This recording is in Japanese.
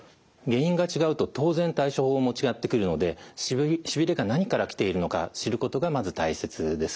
原因が違うと当然対処法も違ってくるのでしびれが何から来ているのか知ることがまず大切です。